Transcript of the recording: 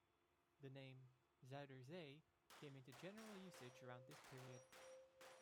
The name "Zuiderzee" came into general usage around this period.